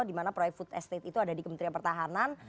dimana proyek food estate itu ada di kementerian pertahanan